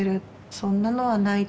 そんなのはない」と。